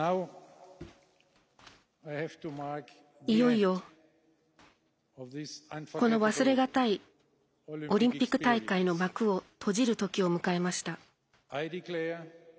いよいよ、この忘れがたいオリンピック大会の幕を閉じるときを迎えました。